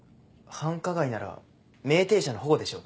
繁華街なら酩酊者の保護でしょうか？